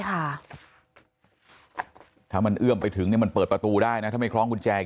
ถ้ามันเอื้อมไปถึงเนี่ยมันเปิดประตูได้นะถ้าไม่คล้องกุญแจ